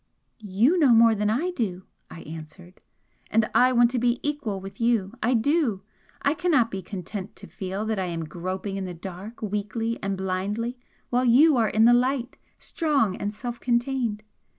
"YOU know more than I do!" I answered "And I want to be equal with you! I do! I cannot be content to feel that I am groping in the dark weakly and blindly while you are in the light, strong and self contained!